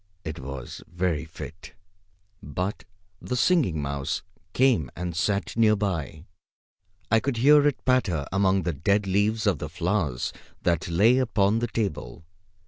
It was very fit. But the Singing Mouse came and sat near by. I could hear it patter among the dead leaves of the flowers that lay upon the table.